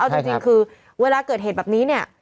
เอาจริงคือเวลาเกิดเหตุแบบนี้เนี่ย